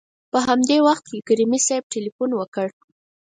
په همدې وخت کې کریمي صیب تلېفون وکړ.